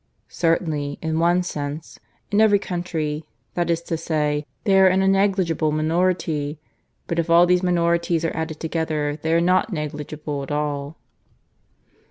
"Certainly, in one sense. In every country, that is to say, they are in a negligible minority. But if all these minorities are added together, they are not negligible at all.